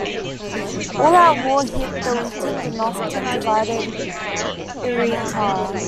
All-out war hit the weakened and often divided Arikara.